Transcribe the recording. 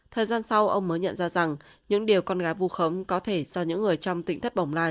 thời gian sau ông mới nhận ra rằng những điều con gái vu khống có thể do những người trong tỉnh thất bồng lai